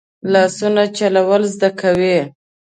لاسونه چلول زده کوي